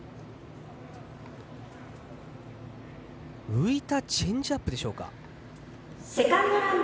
浮いたチェンジアップでしょうか。